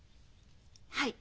はい。